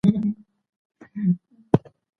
لوستې میندې د ماشوم د بدن ساتنې ته لومړیتوب ورکوي.